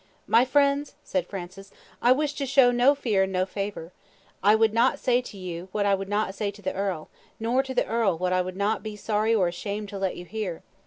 "My friends," said Francis, "I wish to show no fear and no favour. I would not say to you what I would not say to the earl, nor to the earl what I would be sorry or ashamed to let you hear.